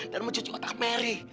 dan mencuci otak mary